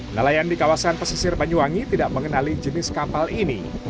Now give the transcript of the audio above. nelayan di kawasan pesisir banyuwangi tidak mengenali jenis kapal ini